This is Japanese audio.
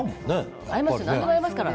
何でも合いますから。